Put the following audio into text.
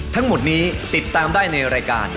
ทั้งหมดนี้ติดตามได้ในรายการ